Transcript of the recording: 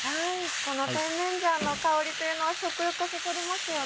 この甜麺醤の香りというのは食欲をそそりますよね。